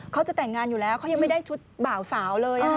เขาจะแต่งงานอยู่แล้วเขายังไม่ได้ชุดบ่าวสาวเลย